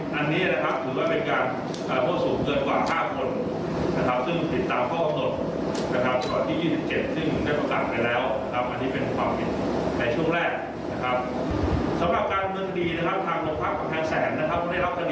ตาการที่เกี่ยวข้องมาแจ้งเข้าหาผัวหาต่อกลับ